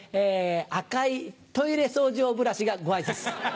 赤いトイレ掃除用ブラシがご挨拶。